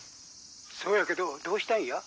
「そうやけどどうしたんや？」